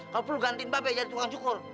kalau perlu gantiin mbak bebe jadi tukang cukur